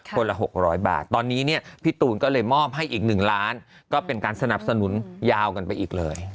ละ๖๐๐บาทตอนนี้เนี่ยพี่ตูนก็เลยมอบให้อีก๑ล้านก็เป็นการสนับสนุนยาวกันไปอีกเลย